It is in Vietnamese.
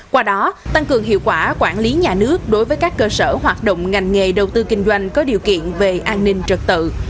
qua đó tăng cường hiệu quả quản lý nhà nước đối với các cơ sở hoạt động ngành nghề đầu tư kinh doanh có điều kiện về an ninh trật tự